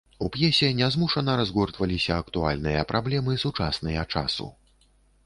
У п'есе нязмушана разгортваліся актуальныя праблемы, сучасныя часу.